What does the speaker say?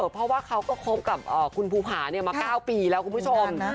เพราะว่าเขาก็คบกับคุณภูผามา๙ปีแล้วคุณผู้ชม